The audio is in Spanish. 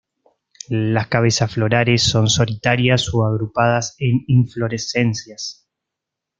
Las cabezas florales son solitarias o agrupadas en inflorescencias.